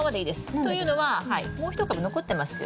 というのはもう一株残ってますよね。